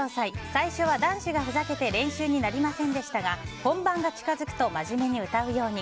最初は男子がふざけて練習になりませんでしたが本番が近付くと真面目に歌うように。